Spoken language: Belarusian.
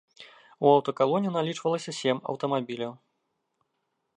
У аўтакалоне налічвалася сем аўтамабіляў.